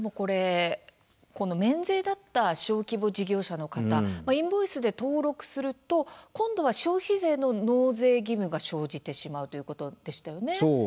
免税だった小規模の事業者の方がインボイスに登録すると今度は消費税の納税義務が生じてしまうということでしたね。